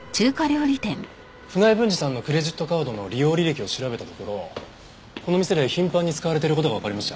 船井文治さんのクレジットカードの利用履歴を調べたところこの店で頻繁に使われている事がわかりました。